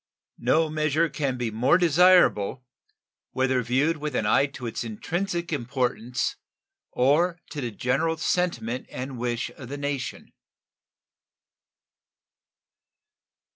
No measure can be more desirable, whether viewed with an eye to its intrinsic importance or to the general sentiment and wish of the nation.